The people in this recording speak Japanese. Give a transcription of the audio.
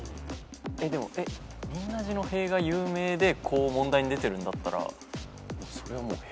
でも仁和寺の塀が有名でこう問題に出てるんだったらそれはもう塀なんじゃないですか。